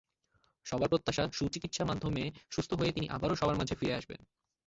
সবার প্রত্যাশা, সুচিকিৎসা মাধ্যমে সুস্থ হয়ে তিনি আবারও সবার মাঝে ফিরে আসবেন।